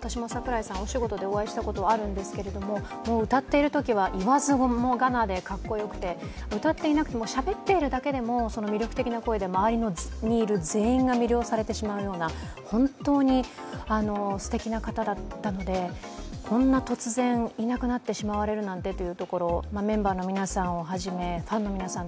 私も櫻井さん、お仕事でお会いしたことがあるんですけど、歌っているときは、言わずもがなでかっこよくて歌っていなくても、しゃべっていても魅力的な声で、周りにいる全員が魅了されてしまうような本当にすてきな方だったのでこんな突然、いなくなってしまわれるなんてというところ、メンバーの皆さんをはじめファンの皆さん